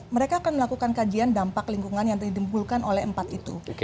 mereka akan melakukan kajian dampak lingkungan yang ditimbulkan oleh empat itu